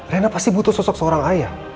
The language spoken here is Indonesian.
rena pasti butuh sosok seorang ayah